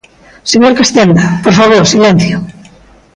Señor Castenda, por favor, silencio.